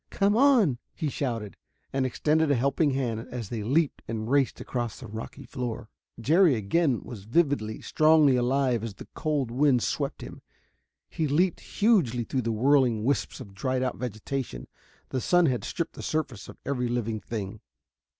"Come on!" he shouted, and extended a helping hand as they leaped and raced across the rocky floor. Jerry again was vividly, strongly alive as the cold winds swept him. He leaped hugely through the whirling wisps of dried out vegetation the sun had stripped the surface of every living thing.